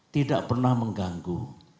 tidak pernah mengganggu